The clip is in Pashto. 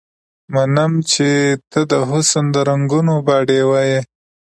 منم چې ته د حسن د رنګونو باډيوه يې